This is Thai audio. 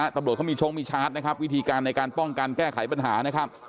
ตำรวจเขามีชงมีชาร์จนะครับวิธีการในการป้องกันแก้ไขปัญหานะครับ